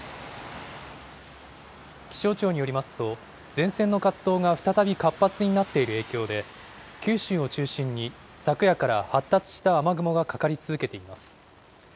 気象庁によりますと、前線の活動が再び活発になっている影響で、九州を中心に昨夜から発達した雨雲がかかり続けています。